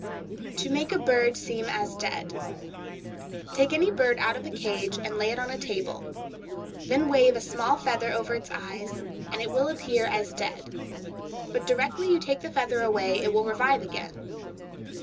To Make a Bird Seem as Dead.—Take any bird out of a cage, and lay it on a table; then wave a small feather over its eyes, and it will appear as dead; but directly you take the feather away it will revive again.